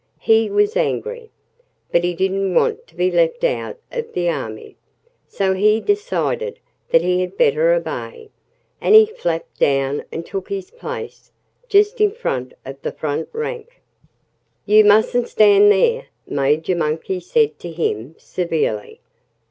He was angry. But he didn't want to be left out of the army. So he decided that he had better obey. And he flapped down and took his place just in front of the front rank. "You mustn't stand there!" Major Monkey said to him severely.